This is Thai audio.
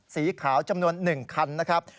สีขาวจำนวน๑คันนะครับ